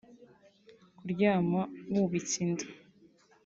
kuryama wubitse inda